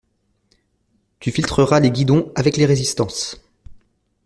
Tu filtreras les guidons avec les résistantes.